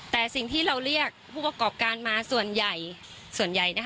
แต่สิ่งที่เราเรียกผู้ประกอบการมาส่วนใหญ่ส่วนใหญ่